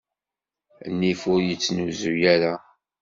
Nnif ur yettnuz ara.